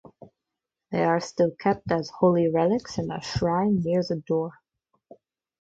They are still kept as holy relics in a shrine near the door.